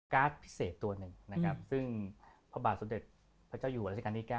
การ์ดพิเศษตัวหนึ่งซึ่งพระบาทสมเด็จพระเจ้าอยู่หัวราชกาลที่๙